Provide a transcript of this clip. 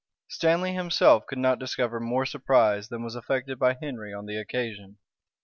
Stanley himself could not discover more surprise than was affected by Henry on the occasion.